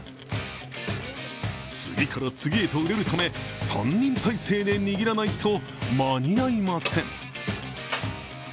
次から次へと売れるため３人態勢で握らないと間に合いません。